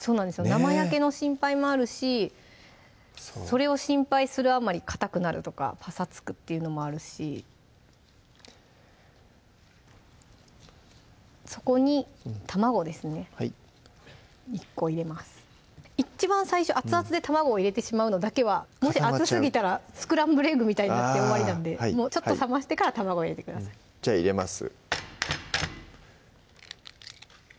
生焼けの心配もあるしそれを心配するあまりかたくなるとかパサつくっていうのもあるしそこに卵ですね１個入れます一番最初熱々で卵を入れてしまうのだけはもし熱すぎたらスクランブルエッグみたいになって終わりなんでちょっと冷ましてから卵入れてくださいじゃあ入れます